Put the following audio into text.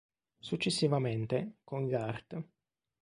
Successivamente, con l'art.